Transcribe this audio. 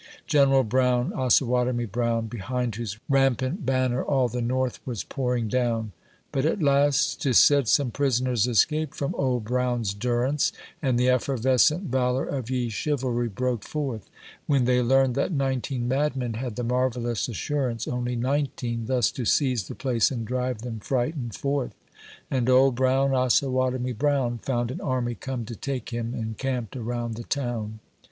General Brown, Osawatomie Brown! Behind whose rampant banner all the North was pouring down. But at last, 'tis said, some prisoners escaped from Old Brown's durance, And the effervescent valor of Ye Chivalry broke forth, A BALLAD FOB TUB TIMES. 67 When they learned that nineteen madmen had the marvellous assurance — Only nineteen — thus to seize the place, and drive them frightened forth ; And Old Brown, Osawatomie Brown, Found an army come to take him encamped around the town.